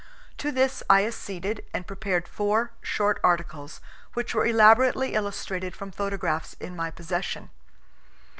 To this I acceded and prepared four short articles, which were elaborately illustrated from photographs in my possession.